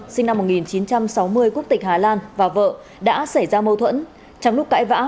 sinh năm một nghìn chín trăm sáu mươi quốc tịch hà lan và vợ đã xảy ra mâu thuẫn trong lúc cãi vã